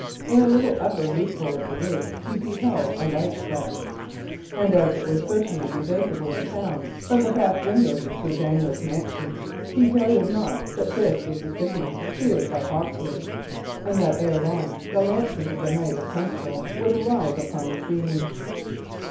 In a little upper loophole of the roof he beheld a light set; and as it would certainly be visible in town from the back windows of Sir Daniel's mansion, he doubted not that this was the signal feared by Hawksley, and that ere long the lances of the Knight of Tunstall would arrive upon the scene.